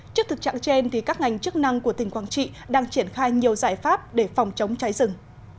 trước thực trạng trên các ngành chức năng của tỉnh quảng trị đang triển khai nhiều giải pháp để phòng chống cháy rừng